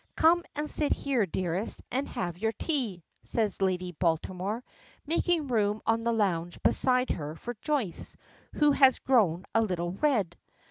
"Come and sit here, dearest, and have your tea," says Lady Baltimore, making room on the lounge beside her for Joyce, who has grown a little red.